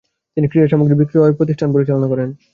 তিনি ক্রীড়াসামগ্রী বিক্রয় প্রতিষ্ঠান পরিচালনা করেন।